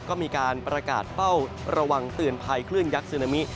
ก็มีการประกาศเป้าระวังเตือนภัยคลื่นยักษ์ซึนามิ